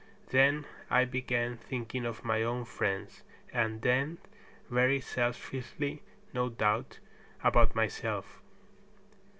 Then I began thinking of my own friends, and then, very selfishly no doubt, about myself.